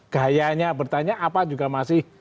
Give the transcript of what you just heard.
gayanya bertanya apa juga masih